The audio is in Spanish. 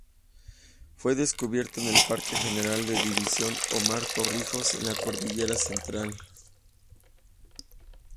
Fue descubierto en el Parque General de División Omar Torrijos en la Cordillera Central.